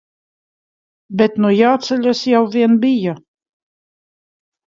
Bet nu jāceļas jau vien bija.